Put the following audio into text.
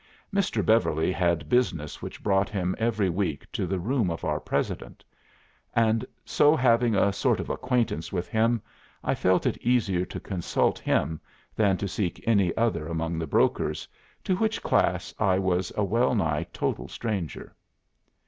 Mr. Beverly had business which brought him every week to the room of our president; and so having a sort of acquaintance with him, I felt it easier to consult him than to seek any other among the brokers, to which class I was a well nigh total stranger.